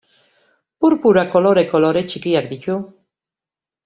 Purpura koloreko lore txikiak ditu.